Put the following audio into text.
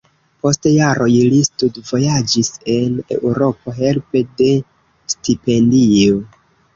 Post jaroj li studvojaĝis en Eŭropo helpe de stipendio.